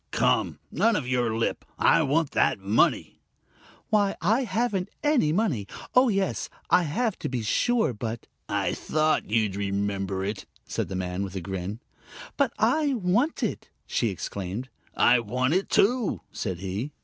"Come! None of your lip. I want that money!" "Why, I haven't any money! Oh, yes, I have, to be sure, but " "I thought you'd remember it," said the man, with a grin. "But I want it!" she exclaimed. "I want it, too!" said he.